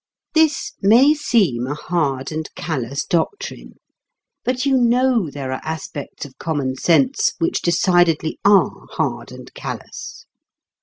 This may seem a hard and callous doctrine, but you know there are aspects of common sense which decidedly are hard and callous.